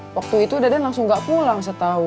waktu itu deden langsung nggak pulang setahun